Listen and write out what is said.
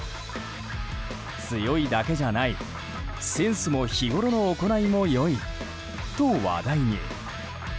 強いだけじゃない、センスも日ごろの行いも良いと話題に。